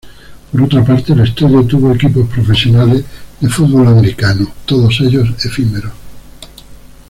Por otra parte, el estadio tuvo equipos profesionales de fútbol americano, todos ellos efímeros.